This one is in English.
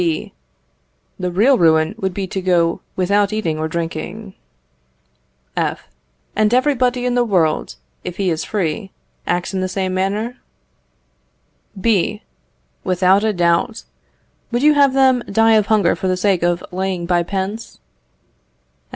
B. The real ruin would be to go without eating or drinking. F. And everybody in the world, if he is free, acts in the same manner? B. Without a doubt. Would you have them die of hunger for the sake of laying by pence?